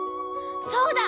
そうだ！